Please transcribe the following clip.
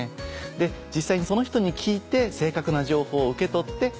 実際にその人に聞いて正確な情報を受け取って伝える。